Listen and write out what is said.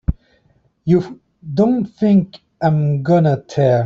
You don't think I'm gonna tell!